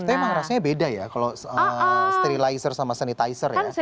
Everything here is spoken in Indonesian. tapi emang rasanya beda ya kalau sterilizer sama sanitizer ya